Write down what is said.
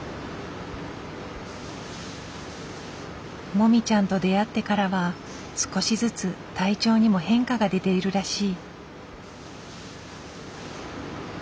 もみちゃんと出会ってからは少しずつ体調にも変化が出ているらしい。